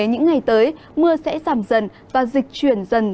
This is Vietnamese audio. những ngày tới mưa sẽ giảm dần và dịch chuyển dần